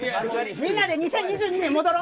みんなで２０２２年戻ろう！